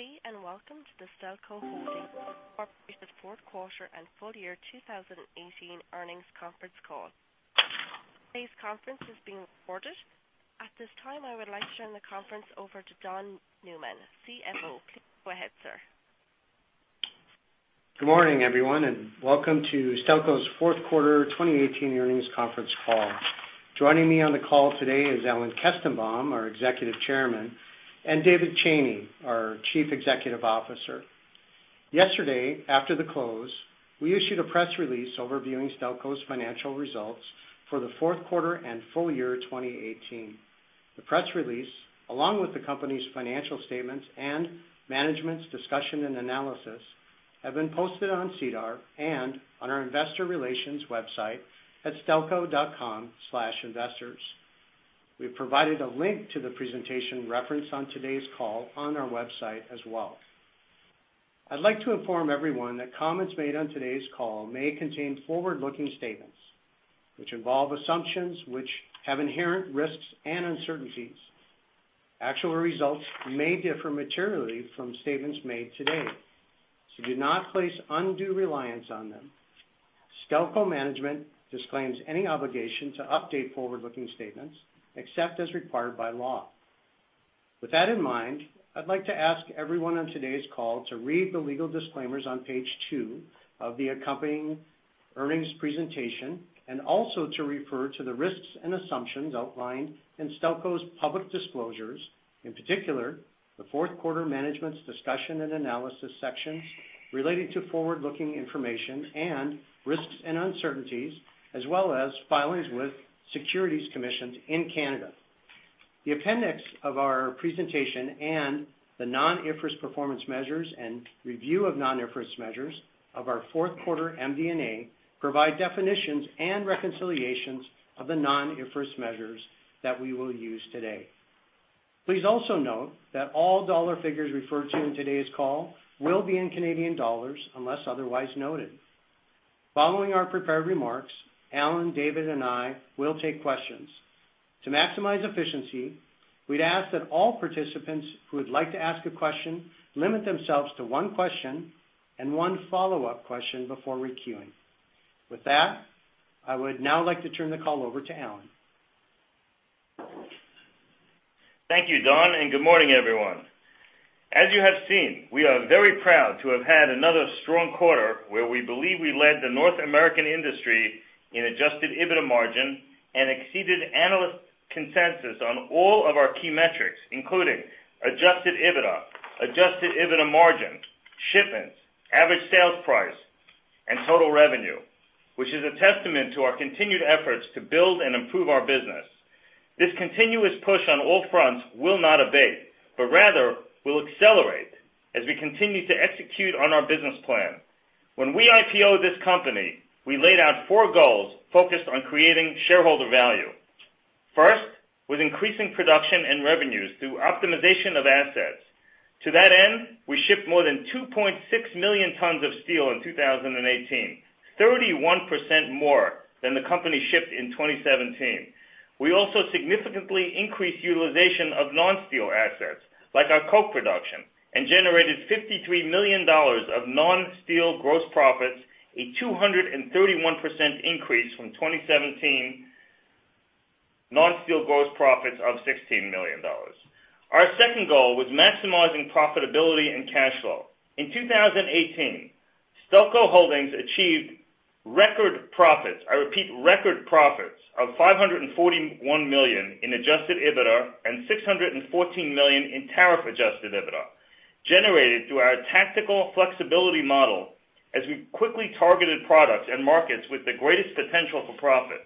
Good day, welcome to the Stelco Holdings Inc.'s fourth quarter and full year 2018 earnings conference call. Today's conference is being recorded. At this time, I would like to turn the conference over to Don Newman, CFO. Please go ahead, sir. Good morning, everyone, welcome to Stelco's fourth quarter 2018 earnings conference call. Joining me on the call today is Alan Kestenbaum, our Executive Chairman, and David Cheney, our Chief Executive Officer. Yesterday, after the close, we issued a press release overviewing Stelco's financial results for the fourth quarter and full year 2018. The press release, along with the company's financial statements and management's discussion and analysis, have been posted on SEDAR and on our investor relations website at stelco.com/investors. We have provided a link to the presentation referenced on today's call on our website as well. I'd like to inform everyone that comments made on today's call may contain forward-looking statements, which involve assumptions which have inherent risks and uncertainties. Actual results may differ materially from statements made today. Do not place undue reliance on them. Stelco management disclaims any obligation to update forward-looking statements except as required by law. With that in mind, I'd like to ask everyone on today's call to read the legal disclaimers on page two of the accompanying earnings presentation, also to refer to the risks and assumptions outlined in Stelco's public disclosures, in particular, the fourth quarter management's discussion and analysis section relating to forward-looking information and risks and uncertainties, as well as filings with securities commissions in Canada. The appendix of our presentation and the non-IFRS performance measures and review of non-IFRS measures of our fourth-quarter MD&A provide definitions and reconciliations of the non-IFRS measures that we will use today. Please also note that all dollar figures referred to in today's call will be in Canadian dollars, unless otherwise noted. Following our prepared remarks, Alan, David, I will take questions. To maximize efficiency, we'd ask that all participants who would like to ask a question limit themselves to one question and one follow-up question before requeuing. With that, I would now like to turn the call over to Alan. Thank you, Don, and good morning, everyone. As you have seen, we are very proud to have had another strong quarter where we believe we led the North American industry in adjusted EBITDA margin and exceeded analyst consensus on all of our key metrics, including adjusted EBITDA, adjusted EBITDA margin, shipments, average sales price, and total revenue, which is a testament to our continued efforts to build and improve our business. This continuous push on all fronts will not abate, but rather will accelerate as we continue to execute on our business plan. When we IPO'd this company, we laid out four goals focused on creating shareholder value. First, with increasing production and revenues through optimization of assets. To that end, we shipped more than 2.6 million tons of steel in 2018, 31% more than the company shipped in 2017. We also significantly increased utilization of non-steel assets, like our coke production, and generated 53 million dollars of non-steel gross profits, a 231% increase from 2017 non-steel gross profits of 16 million dollars. Our second goal was maximizing profitability and cash flow. In 2018, Stelco Holdings achieved record profits, I repeat, record profits of 541 million in adjusted EBITDA and 614 million in tariff-adjusted EBITDA, generated through our tactical flexibility model as we quickly targeted products and markets with the greatest potential for profit.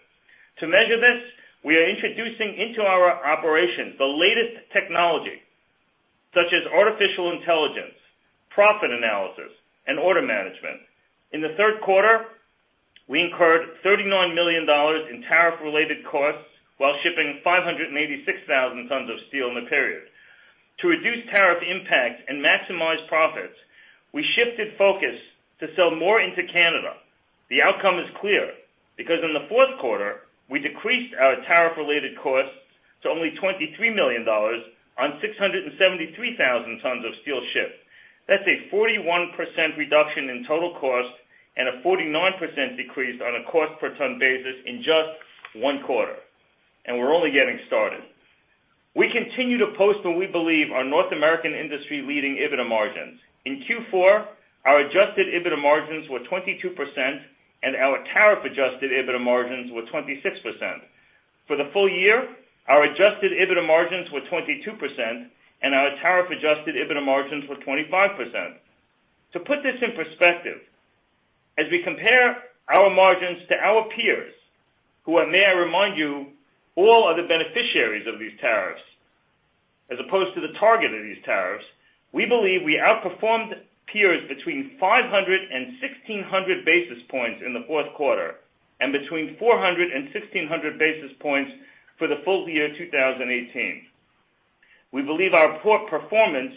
To measure this, we are introducing into our operations the latest technology, such as artificial intelligence, profit analysis, and order management. In the third quarter, we incurred 39 million dollars in tariff-related costs while shipping 586,000 tons of steel in the period. To reduce tariff impact and maximize profits, we shifted focus to sell more into Canada. The outcome is clear, because in the fourth quarter, we decreased our tariff-related costs to only 23 million dollars on 673,000 tons of steel shipped. That's a 41% reduction in total cost and a 49% decrease on a cost-per-ton basis in just one quarter, and we're only getting started. We continue to post what we believe are North American industry-leading EBITDA margins. In Q4, our adjusted EBITDA margins were 22%, and our tariff-adjusted EBITDA margins were 26%. For the full year, our adjusted EBITDA margins were 22%, and our tariff-adjusted EBITDA margins were 25%. To put this in perspective, as we compare our margins to our peers, who may I remind you, all are the beneficiaries of these tariffs as opposed to the target of these tariffs, we believe we outperformed peers between 500 and 1,600 basis points in the fourth quarter, and between 400 and 1,600 basis points for the full year 2018. We believe our performance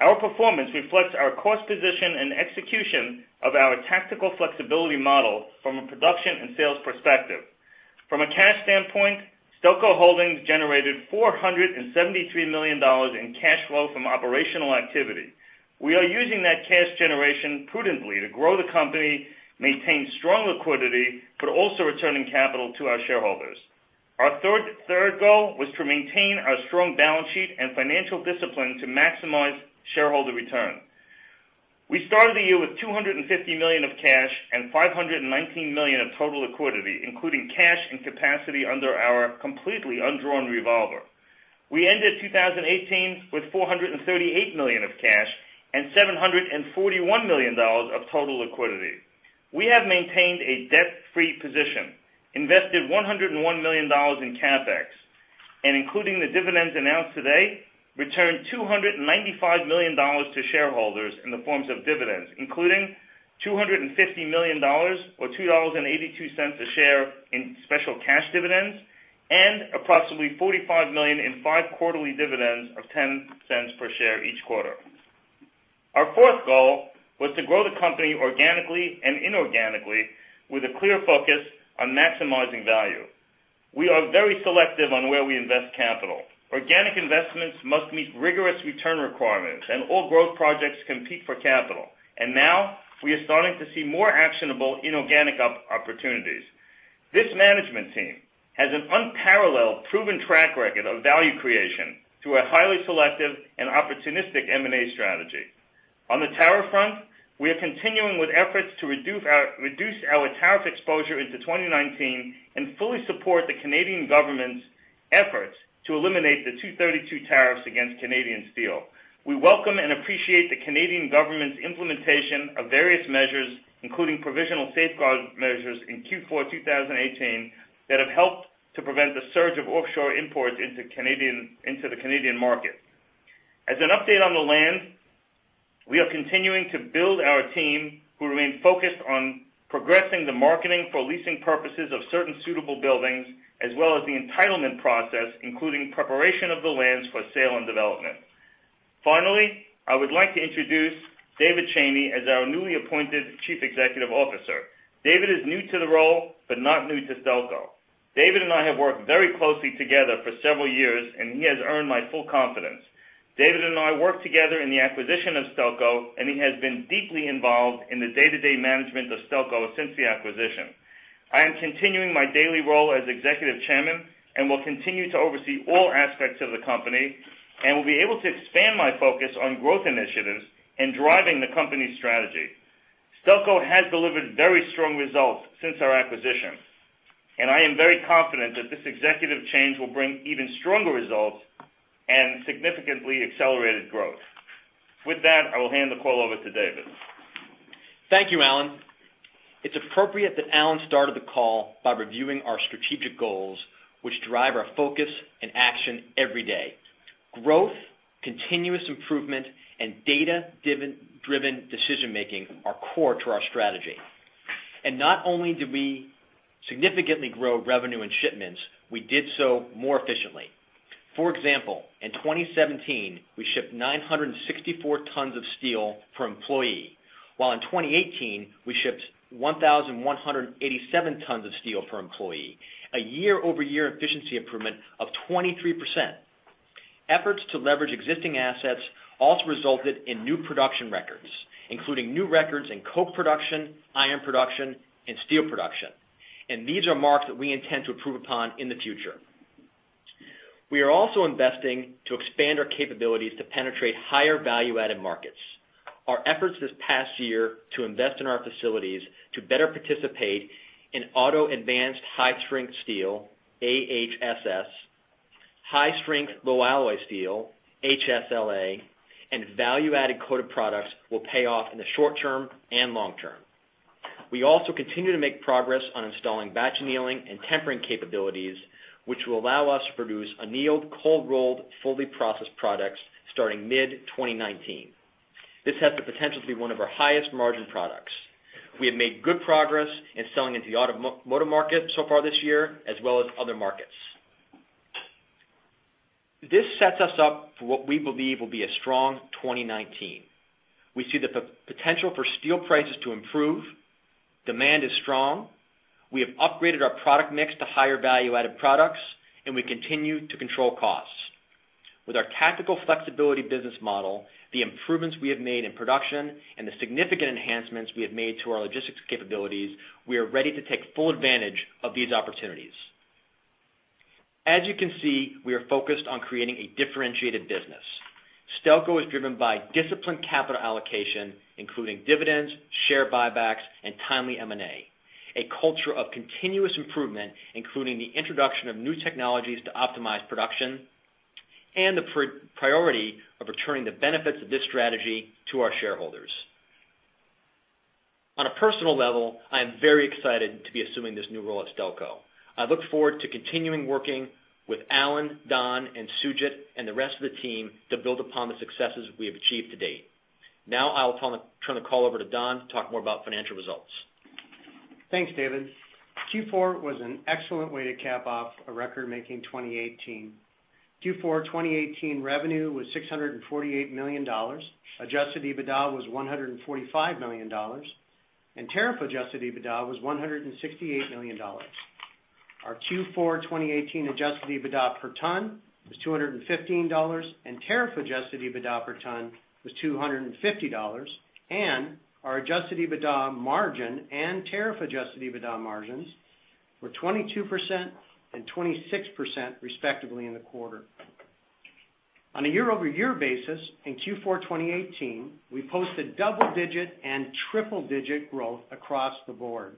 reflects our cost position and execution of our tactical flexibility model from a production and sales perspective. From a cash standpoint, Stelco Holdings generated 473 million dollars in cash flow from operational activity. We are using that cash generation prudently to grow the company, maintain strong liquidity, but also returning capital to our shareholders. Our third goal was to maintain our strong balance sheet and financial discipline to maximize shareholder return. We started the year with 250 million of cash and 519 million of total liquidity, including cash and capacity under our completely undrawn revolver. We ended 2018 with CAD 438 million of cash and CAD 741 million of total liquidity. We have maintained a debt-free position, invested 101 million dollars in CapEx, and including the dividends announced today, returned 295 million dollars to shareholders in the forms of dividends, including 250 million dollars or 2.82 dollars a share in special cash dividends, and approximately 45 million in five quarterly dividends of 0.10 per share each quarter. Our fourth goal was to grow the company organically and inorganically with a clear focus on maximizing value. We are very selective on where we invest capital. Organic investments must meet rigorous return requirements, all growth projects compete for capital. Now, we are starting to see more actionable inorganic opportunities. This management team has an unparalleled proven track record of value creation through a highly selective and opportunistic M&A strategy. On the tariff front, we are continuing with efforts to reduce our tariff exposure into 2019, fully support the Canadian government's efforts to eliminate the 232 tariffs against Canadian steel. We welcome and appreciate the Canadian government's implementation of various measures, including provisional safeguard measures in Q4 2018, that have helped to prevent the surge of offshore imports into the Canadian market. As an update on the land, we are continuing to build our team, who remain focused on progressing the marketing for leasing purposes of certain suitable buildings, as well as the entitlement process, including preparation of the lands for sale and development. Finally, I would like to introduce David Cheney as our newly appointed Chief Executive Officer. David is new to the role, but not new to Stelco. David and I have worked very closely together for several years, he has earned my full confidence. David and I worked together in the acquisition of Stelco, he has been deeply involved in the day-to-day management of Stelco since the acquisition. I am continuing my daily role as Executive Chairman and will continue to oversee all aspects of the company, will be able to expand my focus on growth initiatives and driving the company's strategy. Stelco has delivered very strong results since our acquisition, I am very confident that this executive change will bring even stronger results and significantly accelerated growth. With that, I will hand the call over to David. Thank you, Alan. It's appropriate that Alan started the call by reviewing our strategic goals, which drive our focus and action every day. Growth, continuous improvement, and data-driven decision-making are core to our strategy. Not only did we significantly grow revenue and shipments, we did so more efficiently. For example, in 2017, we shipped 964 tons of steel per employee, while in 2018, we shipped 1,187 tons of steel per employee, a year-over-year efficiency improvement of 23%. Efforts to leverage existing assets also resulted in new production records, including new records in coke production, iron production, and steel production. These are marks that we intend to improve upon in the future. We are also investing to expand our capabilities to penetrate higher value-added markets. Our efforts this past year to invest in our facilities to better participate in auto advanced high-strength steel, AHSS, high-strength low-alloy steel, HSLA, and value-added coated products will pay off in the short term and long term. We also continue to make progress on installing batch annealing and tempering capabilities, which will allow us to produce annealed, cold-rolled, fully processed products starting mid-2019. This has the potential to be one of our highest-margin products. We have made good progress in selling into the automotive market so far this year, as well as other markets. This sets us up for what we believe will be a strong 2019. We see the potential for steel prices to improve. Demand is strong. We have upgraded our product mix to higher value-added products, we continue to control costs. With our tactical flexibility business model, the improvements we have made in production, and the significant enhancements we have made to our logistics capabilities, we are ready to take full advantage of these opportunities. As you can see, we are focused on creating a differentiated business. Stelco is driven by disciplined capital allocation, including dividends, share buybacks, and timely M&A. A culture of continuous improvement, including the introduction of new technologies to optimize production, and the priority of returning the benefits of this strategy to our shareholders. On a personal level, I am very excited to be assuming this new role at Stelco. I look forward to continuing working with Alan, Don, and Sujit, and the rest of the team to build upon the successes we have achieved to date. Now, I'll turn the call over to Don to talk more about financial results. Thanks, David. Q4 was an excellent way to cap off a record-making 2018. Q4 2018 revenue was CAD 648 million. Adjusted EBITDA was CAD 145 million, and tariff-adjusted EBITDA was CAD 168 million. Our Q4 2018 adjusted EBITDA per ton was CAD 215, and tariff-adjusted EBITDA per ton was CAD 250. Our adjusted EBITDA margin and tariff-adjusted EBITDA margins were 22% and 26%, respectively, in the quarter. On a year-over-year basis, in Q4 2018, we posted double-digit and triple-digit growth across the board.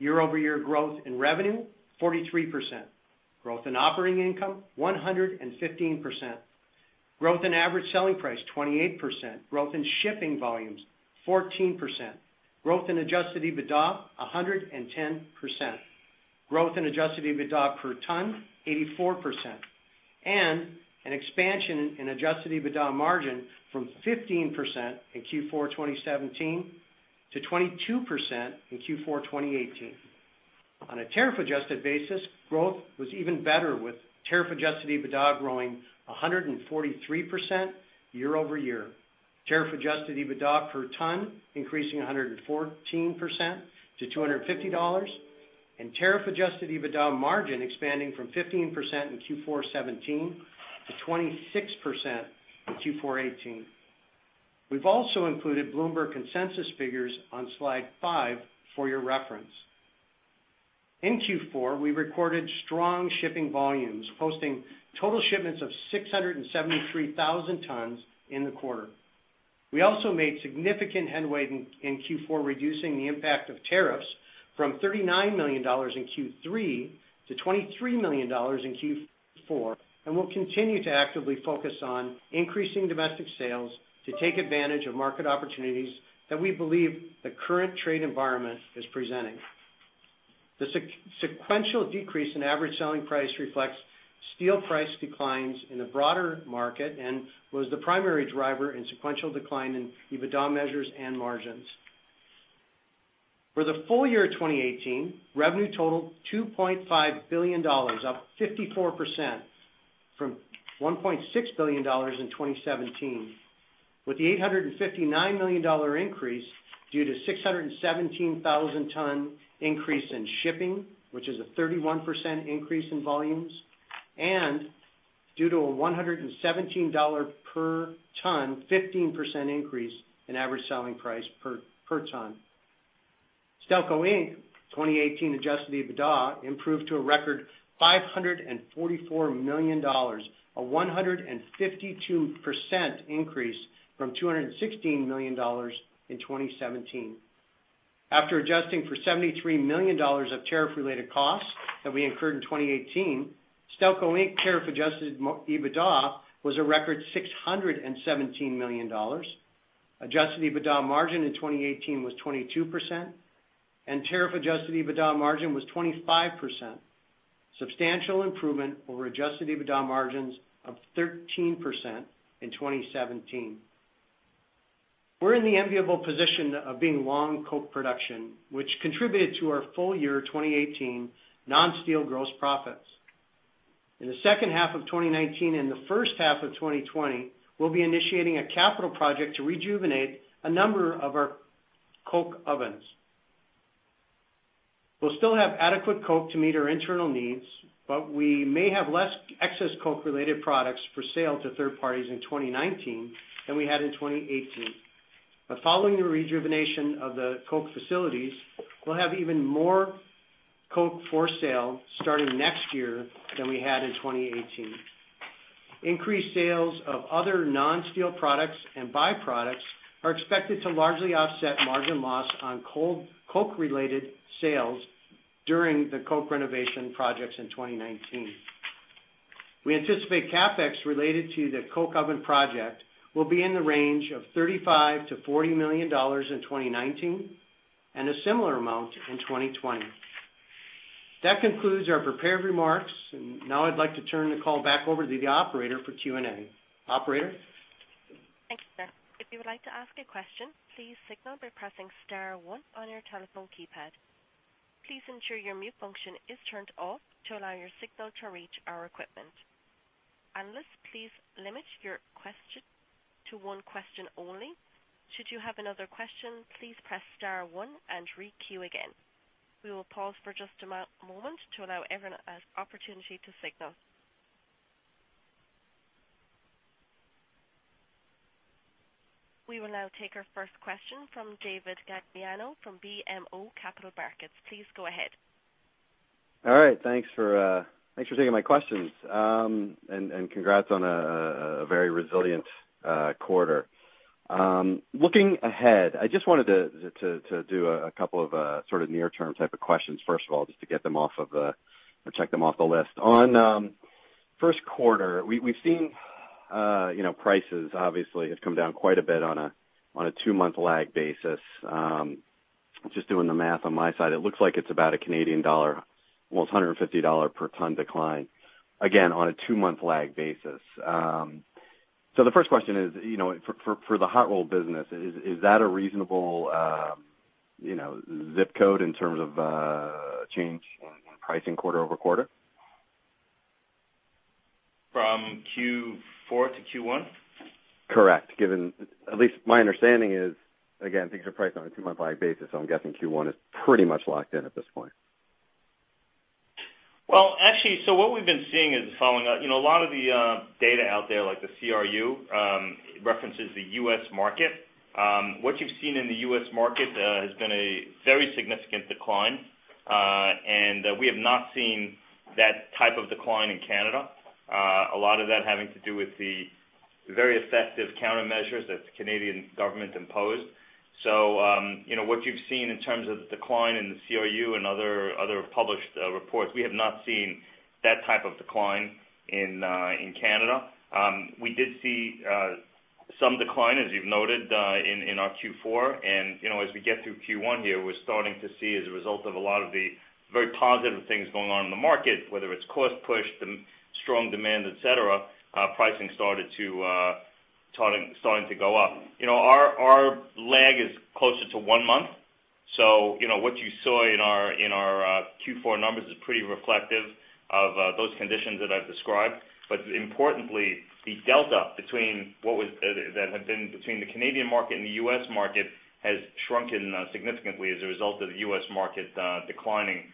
Year-over-year growth in revenue, 43%. Growth in operating income, 115%. Growth in average selling price, 28%. Growth in shipping volumes, 14%. Growth in adjusted EBITDA, 110%. Growth in adjusted EBITDA per ton, 84%. An expansion in adjusted EBITDA margin from 15% in Q4 2017 to 22% in Q4 2018. On a tariff-adjusted basis, growth was even better, with tariff-adjusted EBITDA growing 143% year-over-year. Tariff-adjusted EBITDA per ton increasing 114% to 250 dollars. Tariff-adjusted EBITDA margin expanding from 15% in Q4 2017 to 26% in Q4 2018. We've also included Bloomberg consensus figures on slide five for your reference. In Q4, we recorded strong shipping volumes, posting total shipments of 673,000 tons in the quarter. We also made significant headway in Q4, reducing the impact of tariffs from 39 million dollars in Q3 to 23 million dollars in Q4. We'll continue to actively focus on increasing domestic sales to take advantage of market opportunities that we believe the current trade environment is presenting. The sequential decrease in average selling price reflects steel price declines in the broader market and was the primary driver in sequential decline in EBITDA measures and margins. For the full year 2018, revenue totaled 2.5 billion dollars, up 54% from 1.6 billion dollars in 2017. With the 859 million dollar increase due to 617,000 ton increase in shipping, which is a 31% increase in volumes, and due to a 117 dollar per ton, 15% increase in average selling price per ton. Stelco Inc. 2018 adjusted EBITDA improved to a record 544 million dollars, a 152% increase from 216 million dollars in 2017. After adjusting for 73 million dollars of tariff-related costs that we incurred in 2018, Stelco Inc. tariff-adjusted EBITDA was a record 617 million dollars. Adjusted EBITDA margin in 2018 was 22%, and tariff-adjusted EBITDA margin was 25%, substantial improvement over adjusted EBITDA margins of 13% in 2017. We're in the enviable position of being long coke production, which contributed to our full year 2018 non-steel gross profits. In the second half of 2019 and the first half of 2020, we'll be initiating a capital project to rejuvenate a number of our coke ovens. We'll still have adequate coke to meet our internal needs. We may have less excess coke-related products for sale to third parties in 2019 than we had in 2018. Following the rejuvenation of the coke facilities, we'll have even more coke for sale starting next year than we had in 2018. Increased sales of other non-steel products and byproducts are expected to largely offset margin loss on coke-related sales during the coke renovation projects in 2019. We anticipate CapEx related to the coke oven project will be in the range of 35 million-40 million dollars in 2019, and a similar amount in 2020. That concludes our prepared remarks. Now I'd like to turn the call back over to the operator for Q&A. Operator? Thanks, sir. If you would like to ask a question, please signal by pressing star one on your telephone keypad. Please ensure your mute function is turned off to allow your signal to reach our equipment. Analysts, please limit your question to one question only. Should you have another question, please press star one and re-queue again. We will pause for just a moment to allow everyone an opportunity to signal. We will now take our first question from David Gagliano from BMO Capital Markets. Please go ahead. All right. Thanks for taking my questions. Congrats on a very resilient quarter. Looking ahead, I just wanted to do a couple of sort of near-term type of questions, first of all, just to check them off the list. On first quarter, we've seen prices obviously have come down quite a bit on a two-month lag basis. Just doing the math on my side, it looks like it's about a Canadian dollar, well, it's 150 dollar per ton decline, again, on a two-month lag basis. The first question is, for the hot-roll business, is that a reasonable zip code in terms of change in pricing quarter-over-quarter? From Q4 to Q1? Correct. At least my understanding is, again, things are priced on a two-month buying basis, I'm guessing Q1 is pretty much locked in at this point. Well, actually, what we've been seeing is the following. A lot of the data out there, like the CRU, references the U.S. market. What you've seen in the U.S. market has been a very significant decline, and we have not seen that type of decline in Canada. A lot of that having to do with the very effective countermeasures that the Canadian government imposed. What you've seen in terms of the decline in the CRU and other published reports, we have not seen that type of decline in Canada. We did see some decline, as you've noted, in our Q4. As we get through Q1 here, we're starting to see as a result of a lot of the very positive things going on in the market, whether it's cost push, the strong demand, et cetera, pricing starting to go up. Our lag is closer to one month, what you saw in our Q4 numbers is pretty reflective of those conditions that I've described. Importantly, the delta between the Canadian market and the U.S. market has shrunken significantly as a result of the U.S. market declining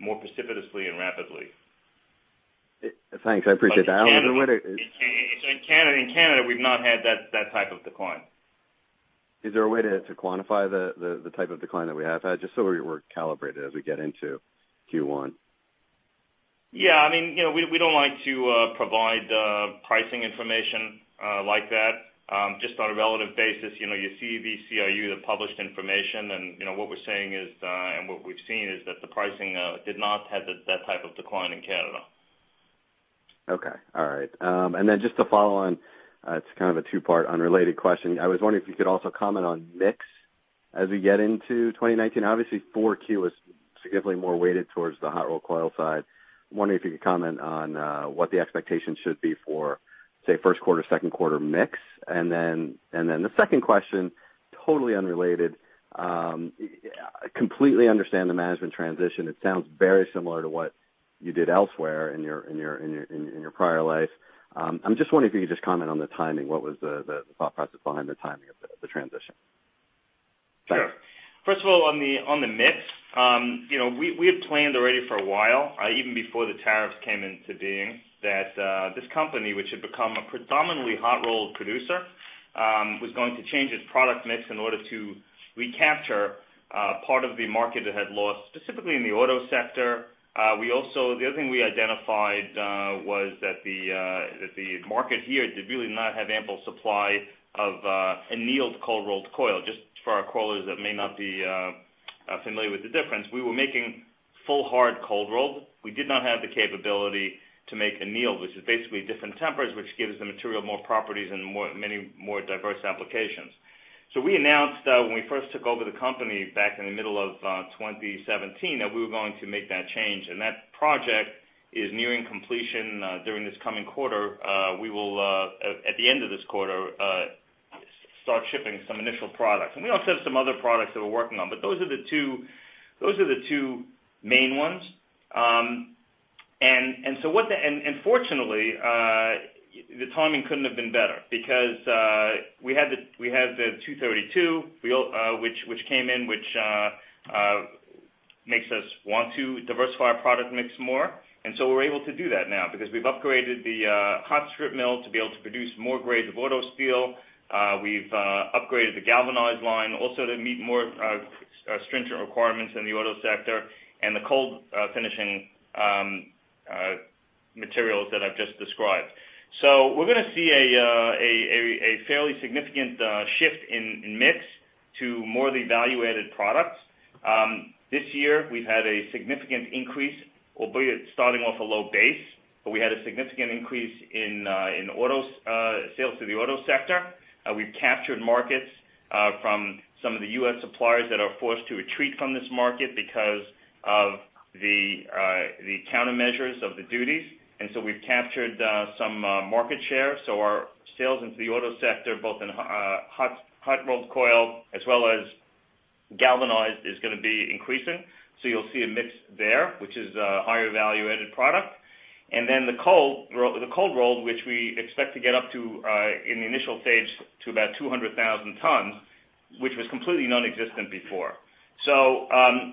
more precipitously and rapidly. Thanks. I appreciate that. In Canada, we've not had that type of decline. Is there a way to quantify the type of decline that we have had, just so we're calibrated as we get into Q1? Yeah. We don't like to provide pricing information like that. Just on a relative basis, you see the CRU, the published information, and what we're saying is, and what we've seen is that the pricing did not have that type of decline in Canada. Okay. All right. Just to follow on, it's kind of a two-part unrelated question. I was wondering if you could also comment on mix as we get into 2019. Obviously, 4Q was significantly more weighted towards the hot-rolled coil side. I'm wondering if you could comment on what the expectations should be for, say, first quarter, second quarter mix. The second question, totally unrelated. I completely understand the management transition. It sounds very similar to what you did elsewhere in your prior life. I'm just wondering if you could just comment on the timing. What was the thought process behind the timing of the transition? Sure. First of all, on the mix, we had planned already for a while, even before the tariffs came into being, that this company, which had become a predominantly hot-roll producer, was going to change its product mix in order to recapture part of the market it had lost, specifically in the auto sector. The other thing we identified was that the market here did really not have ample supply of annealed cold-rolled coil. Just for our callers that may not be familiar with the difference, we were making full hard cold rolled. We did not have the capability to make annealed, which is basically different tempers, which gives the material more properties and many more diverse applications. We announced when we first took over the company back in the middle of 2017, that we were going to make that change, and that project is nearing completion during this coming quarter. We will, at the end of this quarter, start shipping some initial products. We also have some other products that we're working on, but those are the two main ones. Fortunately, the timing couldn't have been better because, we had the 232, which came in, which makes us want to diversify our product mix more. We're able to do that now because we've upgraded the hot strip mill to be able to produce more grades of auto steel. We've upgraded the galvanized line also to meet more stringent requirements in the auto sector and the cold finishing materials that I've just described. We're going to see a fairly significant shift in mix to more of the value-added products. This year, we've had a significant increase, albeit starting off a low base, but we had a significant increase in sales to the auto sector. We've captured markets from some of the U.S. suppliers that are forced to retreat from this market because of the countermeasures of the duties. We've captured some market share. Our sales into the auto sector, both in hot rolled coil as well as galvanized, is going to be increasing. You'll see a mix there, which is a higher value-added product. The cold rolled, which we expect to get up to, in the initial stage, to about 200,000 tons, which was completely nonexistent before.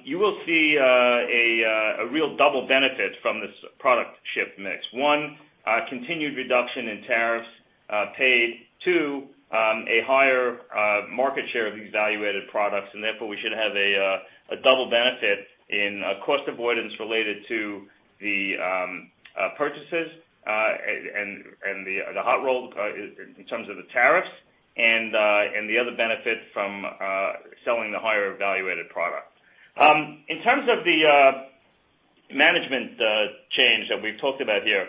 You will see a real double benefit from this product shift mix. One, a continued reduction in tariffs paid, two, a higher market share of these value-added products. Therefore, we should have a double benefit in cost avoidance related to the purchases, and the hot roll, in terms of the tariffs, and the other benefit from selling the higher value-added product. In terms of the management change that we've talked about here,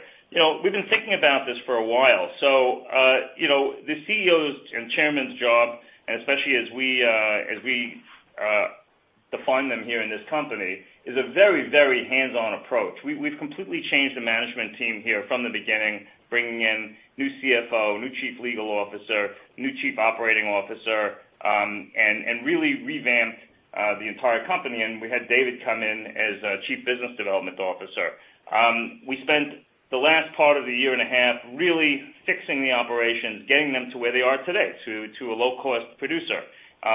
we've been thinking about this for a while. The CEO's and Chairman's job, especially as weTo find them here in this company is a very, very hands-on approach. We've completely changed the management team here from the beginning, bringing in new CFO, new chief legal officer, new chief operating officer, really revamped the entire company. We had David come in as chief business development officer. We spent the last part of the year and a half really fixing the operations, getting them to where they are today, to a low-cost producer,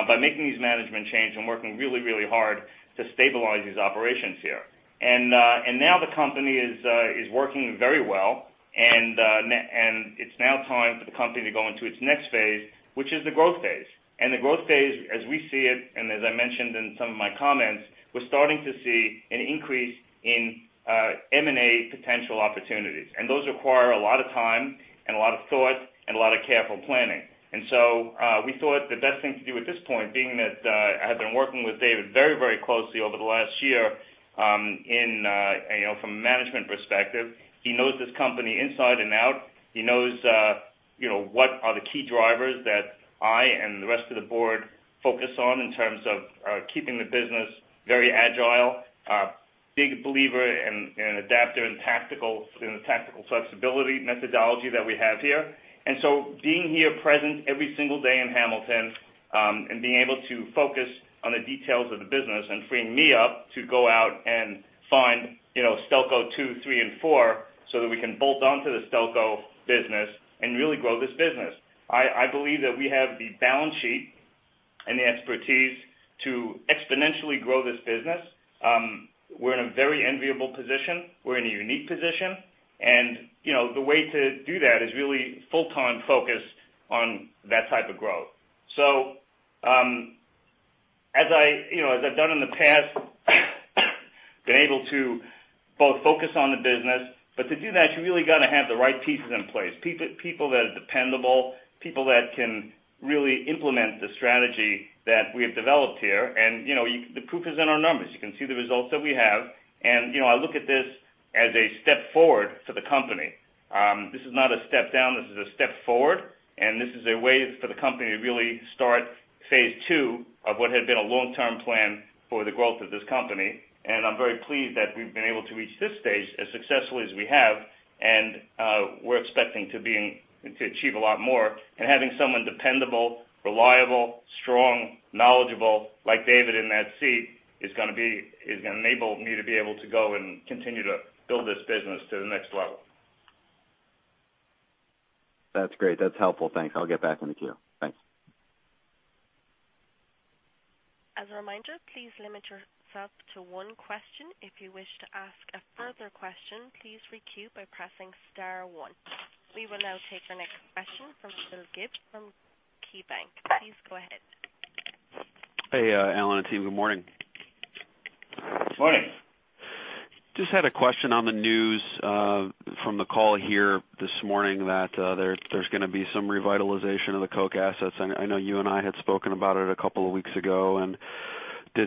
by making these management change and working really, really hard to stabilize these operations here. Now the company is working very well, and it's now time for the company to go into its next phase, which is the growth phase. The growth phase, as we see it, as I mentioned in some of my comments, we're starting to see an increase in M&A potential opportunities. Those require a lot of time, a lot of thought, a lot of careful planning. We thought the best thing to do at this point, being that I have been working with David very, very closely over the last year from a management perspective. He knows this company inside and out. He knows what are the key drivers that I and the rest of the board focus on in terms of keeping the business very agile. Big believer in adaptive and tactical flexibility methodology that we have here. Being here present every single day in Hamilton, being able to focus on the details of the business and freeing me up to go out and find, Stelco 2, 3, and 4, so that we can bolt onto the Stelco business and really grow this business. I believe that we have the balance sheet and the expertise to exponentially grow this business. We're in a very enviable position. We're in a unique position. The way to do that is really full-time focus on that type of growth. As I've done in the past, been able to both focus on the business. To do that, you really got to have the right pieces in place. People that are dependable, people that can really implement the strategy that we have developed here. The proof is in our numbers. You can see the results that we have. I look at this as a step forward for the company. This is not a step down, this is a step forward, and this is a way for the company to really start phase 2 of what had been a long-term plan for the growth of this company. I'm very pleased that we've been able to reach this stage as successfully as we have. We're expecting to achieve a lot more and having someone dependable, reliable, strong, knowledgeable like David in that seat is going to enable me to be able to go and continue to build this business to the next level. That's great. That's helpful. Thanks. I'll get back in the queue. Thanks. As a reminder, please limit yourself to one question. If you wish to ask a further question, please re-queue by pressing star one. We will now take the next question from Phil Gibbs from KeyBanc. Please go ahead. Hey, Alan and team, good morning. Morning. Just had a question on the news from the call here this morning that there is going to be some revitalization of the coke assets. I know you and I had spoken about it a couple of weeks ago and did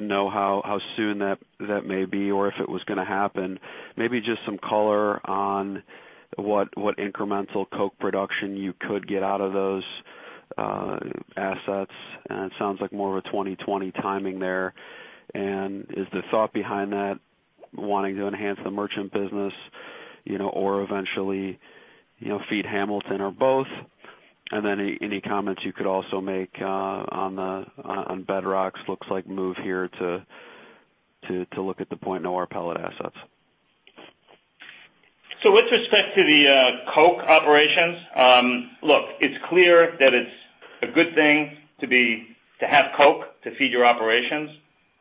not know how soon that may be or if it was going to happen. Maybe just some color on what incremental coke production you could get out of those assets. It sounds like more of a 2020 timing there. Is the thought behind that wanting to enhance the merchant business or eventually feed Hamilton or both? Then any comments you could also make on Bedrock's looks like move here to look at the Pointe-Noire pellet assets. With respect to the coke operations, look, it is clear that it is a good thing to have coke to feed your operations.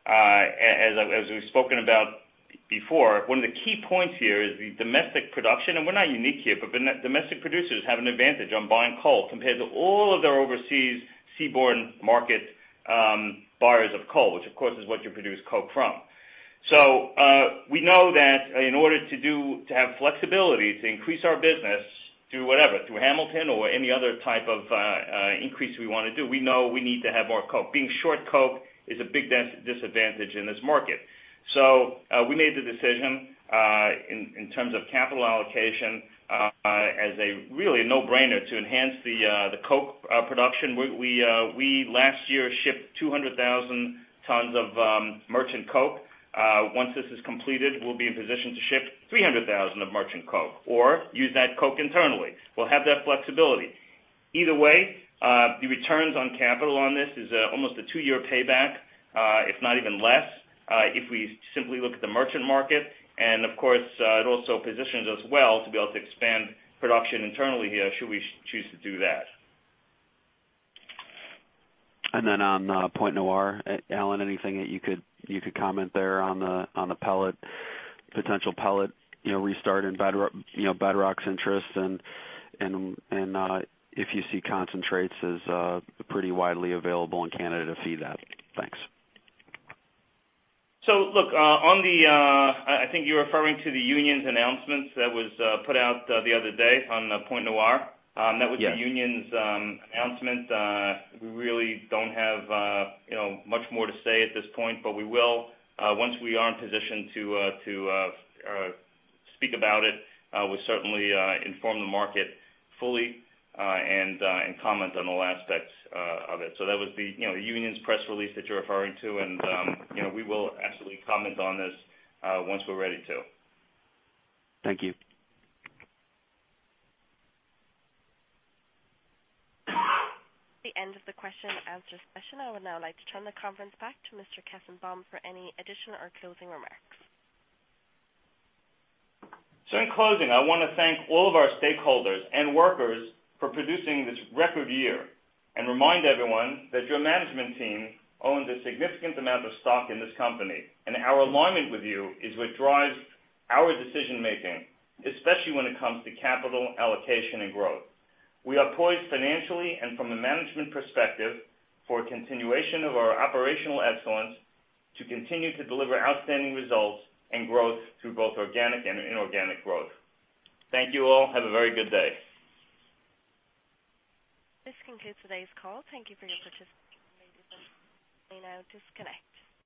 As we have spoken about before, one of the key points here is the domestic production. We are not unique here, but domestic producers have an advantage on buying coal compared to all of their overseas seaborne market buyers of coal, which, of course, is what you produce coke from. We know that in order to have flexibility to increase our business through whatever, through Hamilton or any other type of increase we want to do, we know we need to have more coke. Being short coke is a big disadvantage in this market. We made the decision, in terms of capital allocation, as a really no-brainer to enhance the coke production. We last year shipped 200,000 tons of merchant coke. Once this is completed, we will be in position to ship 300,000 of merchant coke or use that coke internally. We will have that flexibility. Either way, the returns on capital on this is almost a two-year payback, if not even less, if we simply look at the merchant market, and of course, it also positions us well to be able to expand production internally here should we choose to do that. On Pointe-Noire, Alan, anything that you could comment there on the potential pellet restart and Bedrock's interests and if you see concentrates as pretty widely available in Canada to feed that? Thanks. look, I think you're referring to the union's announcements that was put out the other day on Pointe-Noire. Yeah. That was the union's announcement. We really don't have much more to say at this point, but we will once we are in position to speak about it. We'll certainly inform the market fully, and comment on all aspects of it. That was the union's press release that you're referring to, and we will absolutely comment on this once we're ready to. Thank you. The end of the question and answer session. I would now like to turn the conference back to Mr. Kestenbaum for any additional or closing remarks. In closing, I want to thank all of our stakeholders and workers for producing this record year, and remind everyone that your management team owns a significant amount of stock in this company, and our alignment with you is what drives our decision-making, especially when it comes to capital allocation and growth. We are poised financially and from a management perspective for a continuation of our operational excellence to continue to deliver outstanding results and growth through both organic and inorganic growth. Thank you all. Have a very good day. This concludes today's call. Thank you for your participation. You may now disconnect.